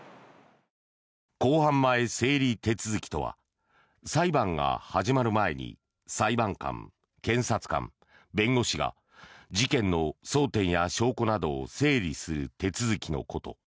公判前整理手続きとは裁判が始まる前に裁判官、検察官、弁護士が事件の争点や証拠などを整理する手続きのこと。